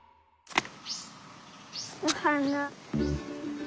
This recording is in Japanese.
おはな。